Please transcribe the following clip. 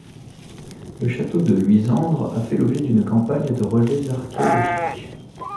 Le château de Luisandre a fait l'objet d'une campagne de relevés archéologiques.